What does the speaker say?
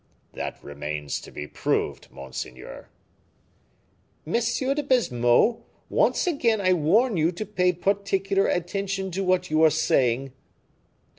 "That remains to be proved, monseigneur." "M. de Baisemeaux, once more I warn you to pay particular attention to what you are saying."